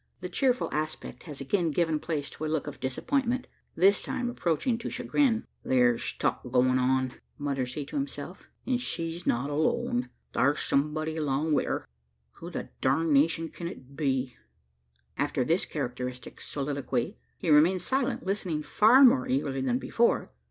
The cheerful aspect has again given place to a look of disappointment this time approaching to chagrin. "Thar's talk goin' on;" mutters he to himself. "Then she's not alone! Thar's someb'dy along wi' her. Who the darnation can it be?" After this characteristic soliloquy, he remains silent listening far more eagerly than before.